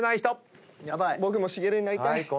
僕もしげるになりたい。